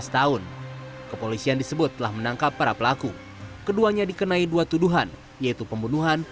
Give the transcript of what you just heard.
tahun kepolisian disebut telah menangkap para pelaku keduanya dikenai dua tuduhan yaitu pembunuhan